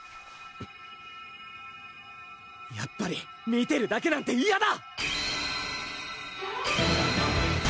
やっぱり見てるだけなんて嫌だ！